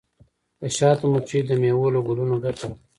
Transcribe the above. د شاتو مچۍ د میوو له ګلونو ګټه اخلي.